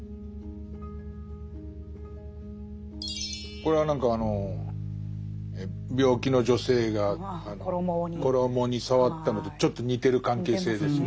これは何かあの病気の女性が衣に触ったのとちょっと似てる関係性ですね。